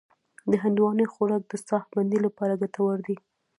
د هندواڼې خوراک د ساه بندۍ لپاره ګټور دی.